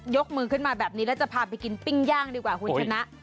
กมือขึ้นมาแบบนี้แล้วจะพาไปกินปิ้งย่างดีกว่าคุณชนะ